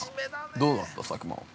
どうだった、佐久間は。